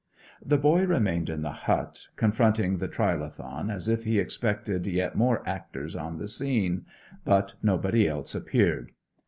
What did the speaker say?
The boy remained in the hut, confronting the trilithon as if he expected yet more actors on the scene, but nobody else appeared.